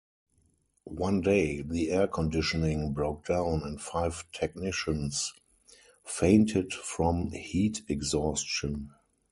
One day, the air conditioning broke down and five technicians fainted from heat exhaustion.